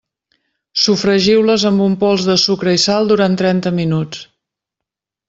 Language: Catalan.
Sofregiu-les amb un pols de sucre i sal durant trenta minuts.